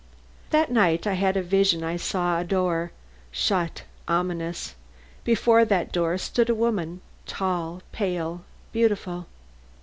That night I had a vision. I saw a door shut, ominous. Before that door stood a woman, tall, pale, beautiful.